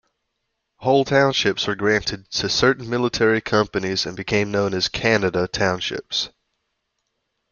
Whole townships were granted to certain military companies and became known as "Canada" townships.